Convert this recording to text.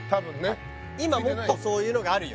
今もっとそういうのがあるよ